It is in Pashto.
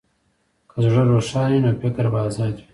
که زړه روښانه وي، نو فکر به ازاد وي.